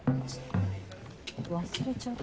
忘れちゃった。